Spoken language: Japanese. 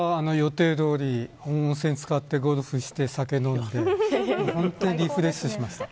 今年は予定どおり温泉、漬かってゴルフして酒飲んで本当にリフレッシュしました。